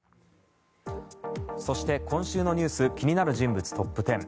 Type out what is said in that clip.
そして今週のニュース気になる人物トップ１０。